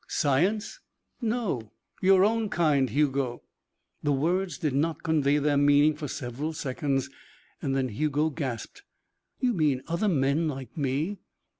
"Science?" "No. Your own kind, Hugo." The words did not convey their meaning for several seconds. Then Hugo gasped. "You mean other men like me?"